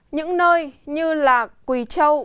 những nơi như là quỳ châu